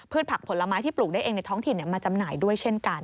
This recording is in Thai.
ผักผลไม้ที่ปลูกได้เองในท้องถิ่นมาจำหน่ายด้วยเช่นกัน